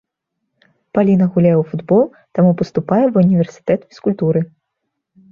Паліна гуляе ў футбол, таму паступае ва ўніверсітэт фізкультуры.